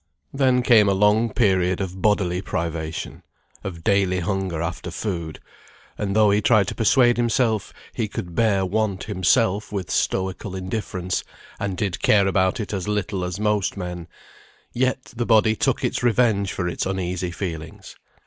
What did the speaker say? Then came a long period of bodily privation; of daily hunger after food; and though he tried to persuade himself he could bear want himself with stoical indifference, and did care about it as little as most men, yet the body took its revenge for its uneasy feelings.